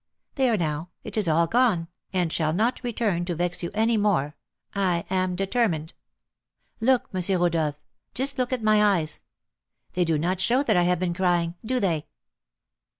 There now, it is all gone, and shall not return to vex you any more, I am determined. Look, M. Rodolph, just look at my eyes, they do not show that I have been crying, do they?"